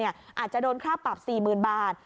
อาจจะโดนค่าปรับ๔๐๐๐บาท